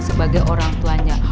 sebagai orang tuanya